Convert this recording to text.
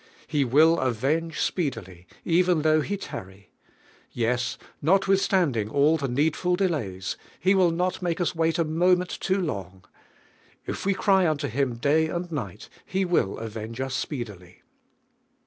He will avenge speedily, even though He tarry. Yea; notwithstanding all the needful delays, He will not make us wait a moment too long. If we cry onto Him day and night, He will avenge us speedily.